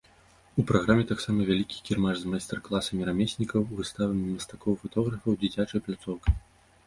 У праграме таксама вялікі кірмаш з майстар-класамі рамеснікаў, выставамі мастакоў і фатографаў, дзіцячай пляцоўкай.